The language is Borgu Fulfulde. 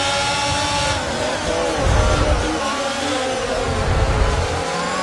Lohoowo o yahi firtoygo jawŋal.